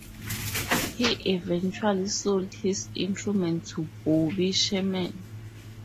He eventually sold his instrument to Bobby Sherman.